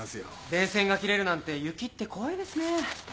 電線が切れるなんて雪って怖いですね。